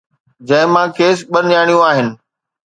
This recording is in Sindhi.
جنهن مان کيس ٻه نياڻيون آهن.